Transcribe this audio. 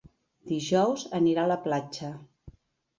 Dijous anirà a la platja.